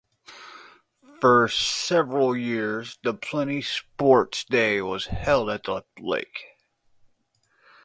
For several years the Plenty Sports Day was held at the lake.